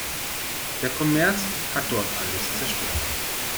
Der Kommerz hat dort alles zerstört.